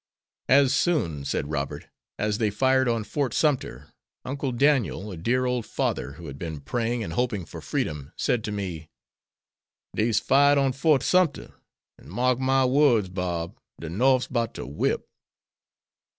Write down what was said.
"As soon," said Robert, "as they fired on Fort Sumter, Uncle Daniel, a dear old father who had been praying and hoping for freedom, said to me: 'Dey's fired on Fort Sumter, an' mark my words, Bob, de Norf's boun' ter whip.'"